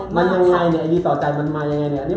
มันยังไงเนี่ยไอดีต่อใจมันมายังไงเนี่ย